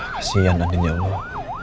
kasihan andin ya allah